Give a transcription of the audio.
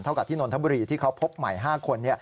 กับที่นนทบุรีที่เขาพบใหม่๕คน